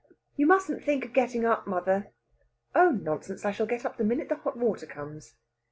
"You mustn't think of getting up, mother." "Oh, nonsense! I shall get up the minute the hot water comes."